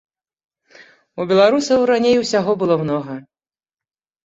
У беларусаў раней усяго было многа.